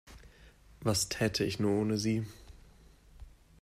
Was täte ich nur ohne Sie?